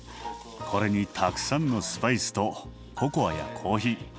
これにたくさんのスパイスとココアやコーヒー